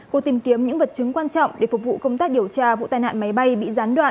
cuộc tìm kiếm những vật chứng quan trọng để phục vụ công tác điều tra vụ tai nạn máy bay bị gián đoạn